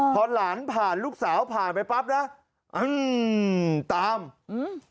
พอหลานผ่านลูกสาวผ่านไปปั๊บนะอืมตามอืม